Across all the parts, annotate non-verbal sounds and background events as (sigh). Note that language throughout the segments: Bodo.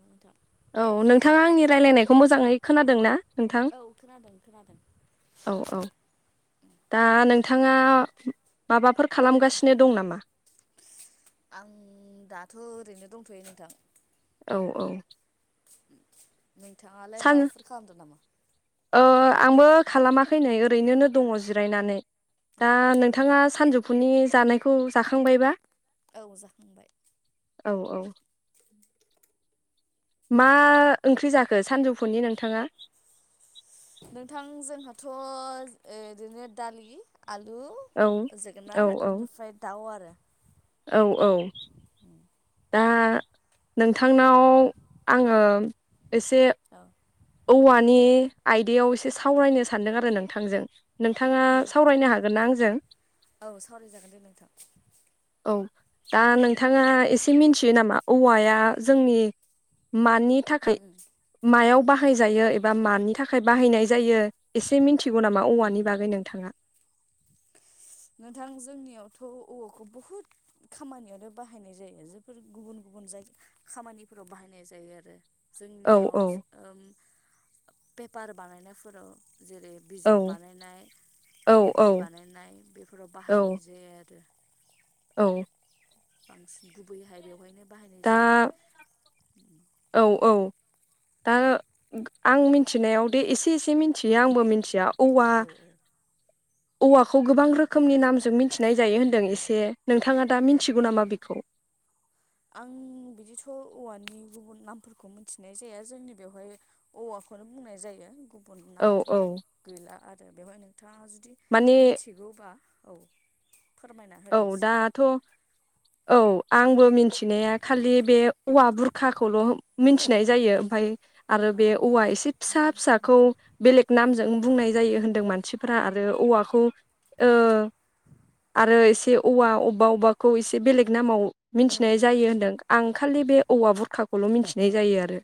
नोंथा औ नोंथाङा आंनि राय्लायनायखौ मोजाङै खोनादों ना? नोंथां औ खोनादों खोनादों। औ औ दा नोंथाङा माबाफोर खालामगासिनो दं नामा? आं दाथ' ओरैनो दंथ'यो नोंथां औ औ नोंथाङालाय सान माबाफोर खालामदों नामा? ओ आंबो खालामाखै नै ओरैनोनो दङ जिरायनानै औ दा नोंथाङा सानजुुफ फुनि जानायखौ जाखांबायबा? औ जाखांबाय औ औ मा ओंख्रि जाखो सानजौफुनि नोंथाङा? नोंथां जोंहाथ' ओ इदिनो दालि आलु औ औ जोगोनार औ ओ निफ्राय दाउ आरो औ औ दा नोंथांनाव आङो एसे औवानि आयदायाव एसे सावरायनो सानदों आरो नोंथांजों नोंथाङा दे सावरायनो हागोन ना आंजों औ सावरायजागोन दे नोंथां। औ दा नोंथाङा एसे मिनथियो नामा औवाया जोंनि मानि थाखाय उम मायाव बाहायजायो एबा मानि थाखाय बाहायनाय जायो एसे मिनथिगौ नामा उम औवानि उम। बागै नोंथाङा? नोंथां जोंनियावथ' औवाखौ बुहुद खामानियावनो बाहायनाय जायो जोफोर गुबुन गुबुन जायग खामानिफोराव बाहायनाय जायो आरो औ जोंनियाव औ सो ओम पेपार बानायनायफोराव जेरै औ बिजाब बानायनाय औ कपि औ बानायनाय बे फोराव औ बाहायनाय जेथ (inaudible) औ बांसिन गुबैहाय बेवहायनो बाहायनाय दा जायो। औ औ दा ओं आं मिनथिनायाव दे एसे एसे मिनथियो आंबो मिनथियाव औवा औ औवाखौ गोबां रोखोमनि नामजों मिनथिनाय जायो होन्दों एसे नोंथाङा दा मिनथिगौ नामा बेखौ? आं बिदिथ औवानि गुबुन नामफोरखौ मिथिनाय जाया जोंनि बेवहाय औवाखौनो बुंनाय जायो। गु बुन औ नामथ औ गैला आरो बेवहाय नों थाङा जुदि माने मोनथिगौबा औ दाथ औ आंबो मिन थिनाया खालि बे औवा बुर खाखौल मिनथिनाय जायो ओमफाय आरो अ बे औवा एसे फिसा फिसाखौ बेलेग नामजों बुंनाय जायो होनदों मानसि फोरा आरो औवाखौ ओ आरो ए से औवा अबबा अबबाखौ एसे बेलेग नामाव मिनथिनाय उम जायो होनदों आं खालि बे औवा बुरखा खौल मिनथिनाय उम जायो आरो।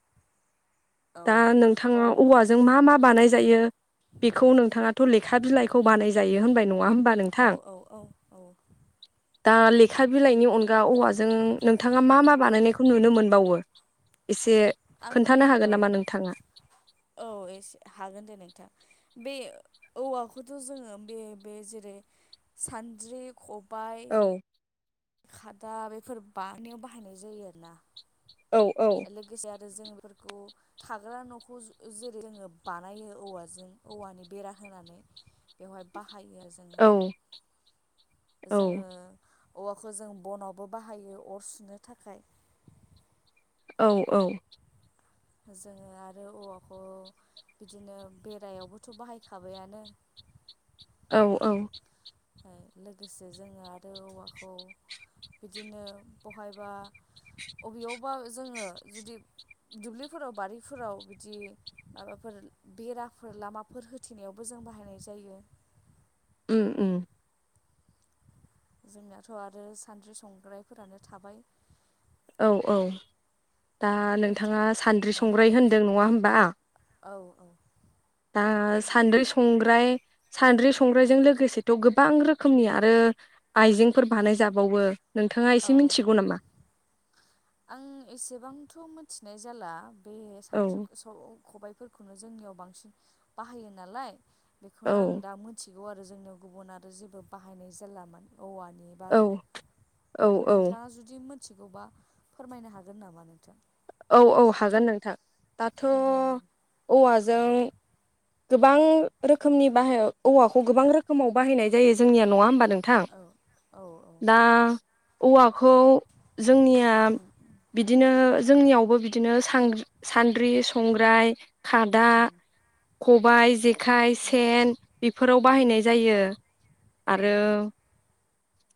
औ दा औ नोंथाङा औवाजों मा मा बानाय जायो बेखौ नोंथाङाथ लेखा बिलाइखौ बानाय जायो होमबाय नङा होम औ औ औ औ दा लेखा बिलाइनि अनगा औवाजों नोंथाङा मा मा बानायनायखौ नुनो मोनबावो एसे आं खोन्थानो हागोन औ नामा नोंथाङा औ एसे हागोन देनै बे औवाखौथ जोङो बे बे जेरै सानद्रि ख बाय औ खादा बेफोर बानायनायाव बाहायनाय जायो आरोना औ औ लोगोसे आरो जों बे फोरखौ थाग्रा नखौ जेरै जोङो बानायो औवाजों औवानि बेरा होनानै बेवहाय बा खायो जोङो औ औ जोङो औवाखौ जों बनावबो बाहायो अर सुनो थाखाय औ औ जोङो आरो औवाखौ बिदिनो बेरायावबोथ बाहायखाबायानो औ औ ओ लोगोसे जोङो आरो औवाखौ बिदिनो बहायबा अबेयावबा जोङो जुदि दुब्लिफोराव बारिफोराव बिदि माबाफोर बेराफोर लामाफोर होथेनायावबो जों बाहायनाय जायो। उम उम जोंनाथ आरो सान्द्रि संग्रायफोरानो थाबाय औ औ दा औ नोंथा नोंथाङा सान्द्रि संग्राय होनदों नङा होमबा औ औ दा सानद्रि संग्राय सानद्रि संग्रायजों लोगोसेथ' गोबां रोखोमनि आरो आइजेंफोर बानायजाबावो औ आं एसेबांथ' मोन थिनाय जाला (unintelligible) औ फोरखौनो जोंनियाव बांसिन बाहायो नालाय औ बेखौनो आं दा मिथि थिगौ आरो जोंनियाव गुबुन आरो जेबो बाहायनाय जारलामोन। औवानि औ बारै औ औ मोथिगौबा फोरमायनो हागोन नामा नोंथां? औ औ हागोन नोंथां। दाथ' दे होमबा औवाजों गोबां रोखोमनि बाहाय औवाखौ गोबां रोखोमाव बाहायनाय जायो जोंनिया नङा होमबा नोंथां औ औ औ दा औवाखौ जोंनिया बिदिनो जोंनियावबो बिदिनो सां-सान्द्रि संग्राय खादा उम खबाइ जे खाइ औ सेन बेफोराव बाहायनाय जायो। औ आरो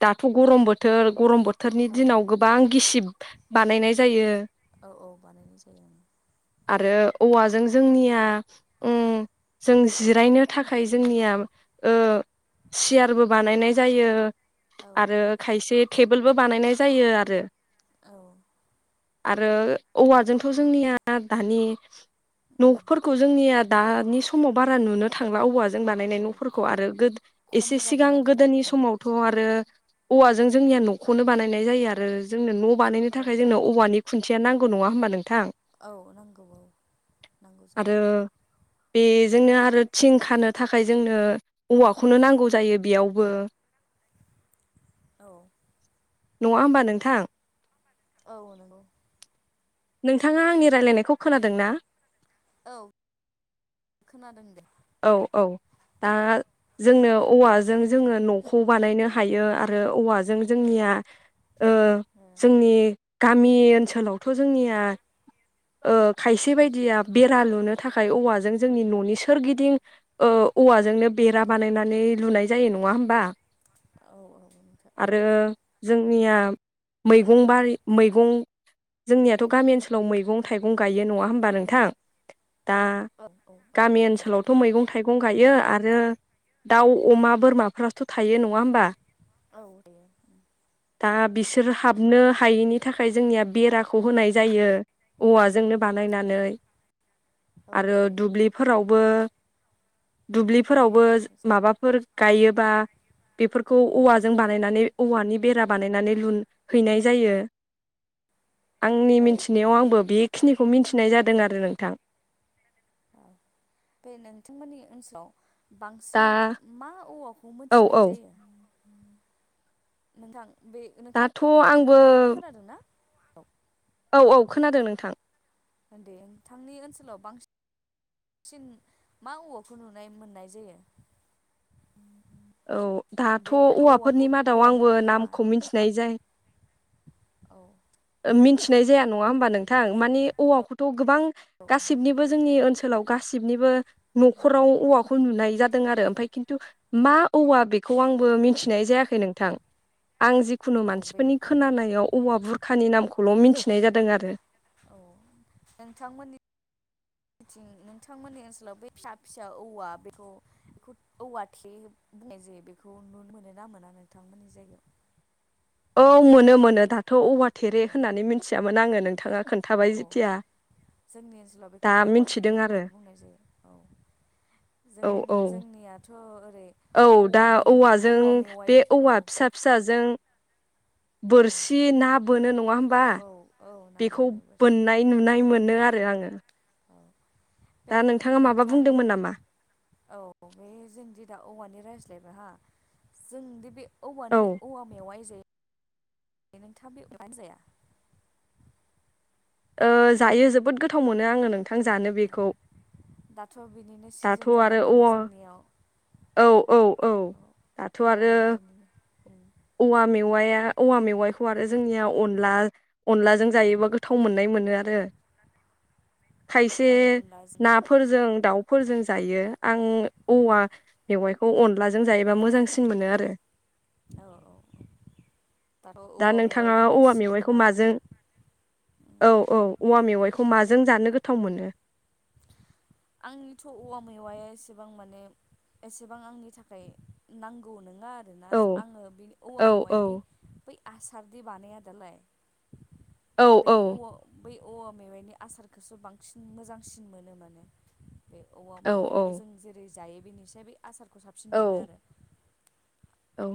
दाथ' गरम बोथोर गरम बो थोरनि औ दिनाव गोबां गिसिब बानायनाय जायो‌। औ औ बानायनाय जायो। आरो औवाजों जोंनिया उम जों जिरायनो थाखाय ओं उम जोंनिया ओ सियारबो बानायनाय जायो। औ आरो खायसे टेबोलबो बानायनाय जायो आरो औ आरो औवाजोंथ' जोंनिया दानि उम न'फोरखौ जोंनि दा नि समाव बारा नुनो थांला औवा जों बानायनाय औ नफोरखौ आरो गो खम एसे सिगां जाबाय आरो गोदोनि समावथ आरो औवाजों जोंनिया नखौनो बानायनाय जायो आरो जोंनो न बानायनो औ थाखाय जोंनो औवानि खुनथिया नांगौ नङा होमबा नों औ नांगौ औ नांगौ जायो। आरो बेजोंनो आरो थिं खानो थाखाय जोंनो औवाखौनो नांगौ जायो बेयावबो। औ। नङा होमबा नोंथां? औ नंगौ। नोंथाङा आंनि रायलायनाय खौ खोनादों ना? औ खोनादों दे। औ औ दा जोंनो औवाजों जोङो नखौ बानायनो हायो आरो औवाजों जोंनिया ओ ओ जोंनि गामि ओनसोलावथ' जोंनिया ओ खायसे उम बायदिया उम बेरा लुनो थाखाय औवाजों जोंनि ननि सोरगि दिं ओ औवाजोंनो बेरा बानायनानै उम लुनाय जायो नङा होमबा? औ औ नोंथां आरो जोंनिया मैगं बारि मैगं जोंनियाथ' गामि ओनसोलाव मैगं-थाइगं गायो नङा होमबा नोंथां? दा औ औ औ गामि जायो ओनसोलाव मैगं-थाइगं गायो आरो दाउ अमा बोरमाफ्राथ' थायो नङा होमबा? औ थायो उम। दा बिसोर हाबनो हायैनि थाखाय जोंनिया बेराखौ होनाय जायो औवाजोंनो उम बानायनानै। औ आरो जायो दुब्लिफोरावबो दुब्लिफोरावबो बेरा होनाय जायो माबाफोर गायो बा बेफोरखौ औ औवाजों बानायनानै औवानि बेरा बानायनानै लुनहैनाय जायो। आंनि औ औ मिथिनायाव आंबो बेखिनि खौ मिथिनाय जादों आरो नोंथां। औ बे नोंथांमोननि ओनसोलाव दा बांसिन मा औवाखौ औ मोनथिनाय औ जायो? नोंथां बे नोंथाङा दाथ' आंबो (unintelligible) औ औ खोनादों नोंथां। उन दे नोंथांनि ओनसोलाव बां सिन मा औवाखौ नुनाय मोननाय जायो? औ दाथ' बे औवा औवाफोरनि मादाव औवा आंबो बुरखा नामखौ औ मिनथिनाय जाय औ ओ मोनथि थिनाय जाया नङा होमबा नोंथां मानि औ औवाखौथ' गोबां औ गासिनिबो जोंनि ओनसो खोलाव गासिबनिबो न'खराव औवाखौ नुनाय जा दों आरो ओमफाय खिन्थु मा औवा बेखौ औ आंबो मिनथिनाय जायाखै नोंथां। आं जिखुनु औ बे मानसिफोरनि खोनानायाव औवा बुरखानि नामखौ खौल' मिनथिनाय जादों आरो औ नोंथांमोननि थिं नोंथांमोननि ओनसोलाव बे फिसा फिसा औवा बेखौ बेखौ औवा थेरे बुंनाय जायो बेखौ नुनो मोनो ना मोना नोंथांमोननि जायगायाव? औ मोनो मोनो दाथ' औवा थेरे औ होननानै मिनथियामोन आङो नों औ औ जोंनि ओनसोलाव बेखौ दा औवा थेरे मिथिदों आरो होननानै बुंनाय जायो औ जों औ औ जोंनियाथ' (unintelligible) औ दा औवानि औवाजों औवा मेवाइ बे औ औवा फिसा फिसाजों औ बोरसि ना बोनो नङा होमबा औ औ ना बेखौ बोनो बोरसि बोननाय नुनाय मोनो आरो आङो। औ बे दा नोंथाङा माबा नोंथां बुंदोंमोन नामा औ बे जोंदि दा औवानि रायज्ला जायबाहा जोंदि बे औ औवानि औवा मेवाइ जे नोंथाङा बे (unintelligible) जाया? ओ जायो जोबोद गोथाव मोनो आङो नों दाथ' बिनिनो दाथ' सिजोन जाना आरो दङ औवा जोंनियाव औ औ औ दाथ' औवा आरो मेवाइनिनो औवा मेव औवाया औवा मेवाइखौ आरो जोंनिया अनला अनलाजों जायोबा गोथाव मोनो आरो। खायसे औ अनलाजों नाफोरजों दाउफोरजों जायो आं उम औवा मेवाइ बेखौ अनलाजों जायोबा मोजांसिन मोनो आरो। औ औ दाथ' दा औवा नोंथाङा मेवाइनिनो औवा मेवाइखौ सिजोन आरो माजों औ औ औवा मेवाइखौ माजों जानो गोथाव मोनो आंनिथ' औवा मैवाया एसेबां माने एसेबां आंनि थाखाय नांगौ नों ना आरोना औ आङो बेनि औवा औ मेवाइनि बै आसारदि बानायादालाय औ बे औ औव बै औवा मेवाइनि आसारखौसो बांसिन मोजांसिन मोनो माने बे औवा मेवाइखौ जों जेरै जायो बेनिसाय बे आसारखौ साबसिन औ मोनो आरो। औ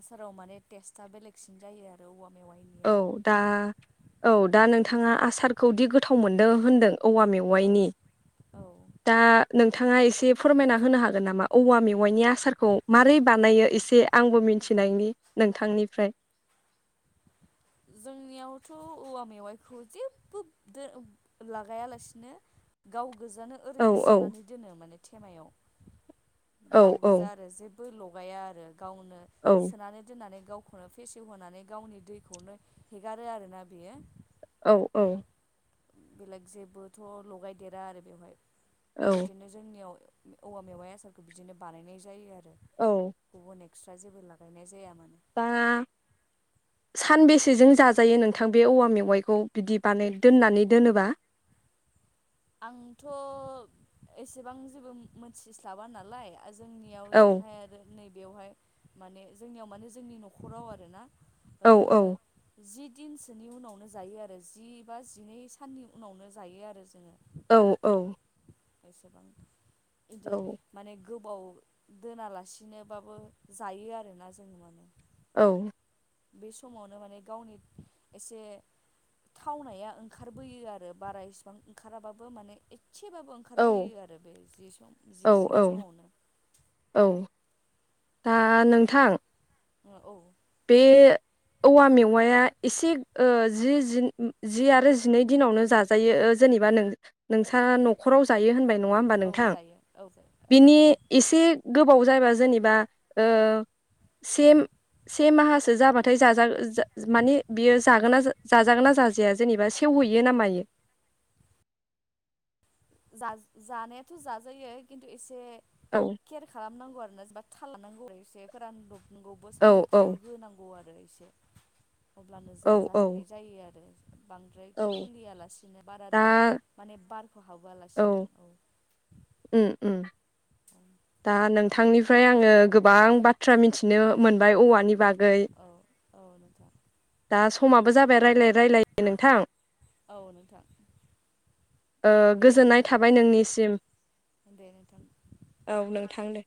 आसाराव माने टेस्टआ बेलेगसिन जायो आरो औवा मेवाय औ दा औ दा नोंथाङा आसारखौ दि गोथाव मोनदों होनदों औवा औ मेवाइनि औ दा नोंथाङा एसे फोरमायना होनो हागोन नामा औवा मेवाइनि आसारखौ मारै बानायो एसे आंबो मिथिनायनि नोंथांनिफ्राय जोंनियावथ' औवा मेवाइखौ जेबो दो लागायालासिनो गाव गोजानानो औ ओरैनो औ सोनानै दोनो माने थेमायाव गाव औ गोजा औ आरो जे बो लगाया आरो गावनो औ सोनानै दोननानै गावखौनो फेसेव होनोनानै गावनि दैखौनो हेगारो आरोना बियो औ औ बेलेग जेबोथ' लगायदेरा आरो बेवहाय औ बिदिनो जोंनियाव औवा मेवाइ आसारखौ बिदिनो बानायनाय जायो आरो। औ गुबुननि एखस्रा जेबो लागायनाय जाया मा दा सानबेसेजों जाजायो नोंथां बे औवा मेवाइखौ बिदि बानाय दोननानै दोनोबा? आंथ एसेबां जेबो मोनथिस्लाबा नालाय जोंनियाव औ जोंहाय आरो नै बेवहाय माने जोंनियाव माने जोंनि नखराव आरोना औ औ ओरैनो जि दिनसोनि उनावनो जायो आरो जि बा जिनै साननि उनावनो जायो आरो जोङो। औ औ बेसेबां इदि औ माने गोबाव दोनालासिनोबाबो जायो आरोना जों माने औ बे समावनो माने गावनि एसे थावनाया ओंखारबोयो आरो बारा इसिबां ओंखाराबाबो माने एसेबाबो औ ओंखारबोयो आरो बे जि सम औ जि जिनै औ समावनो औ दा नोंथां ओ औ बे औवा मेवाया एसे ओ जि-जि-जि आरो जिनै दिनावनो जाजायो ओ जेनेबा नों-नोंसा नखराव जायो होनबाय औ नङा होमबा औ नोंथां जायो औ औ बेनि औ इसे गोबाव जायबा जेनेबा ओ (unintelligible) से माहासो जाबाथाय जाजा-जा माने बियो जागोन ना जा-जाजागोन ना जाजाया जेनेबा सेवहैयो ना मायो जाज जानायाथ जाजायो खिन्थु एसे औ केयार खालामनांगौ आरोना थाल लानांगौ एसे फोरानदब गौबो औ औ सान्दुंफोरावबो होनांगौ आरो रो एसे अब्लानो औ जाजाहैनाय जायो आरो बांद्राय औ खुलियालासिनो दा बाराद्राय माने बार हाबहोआलासिनो औ उम उम औ दा नोंथांनिफ्राय आङो गोबां बाथ्रा मिथिनो मोनबाय औवा नि बागै औ औ नोंथां दा समाबो जाबाय रायलाय-रायलाय (unintelligible) नोंथां औ नोंथां ओ दे गोजोननाय होमबा थाबाय नोंनिसिम दे नोंथां नोंथांनो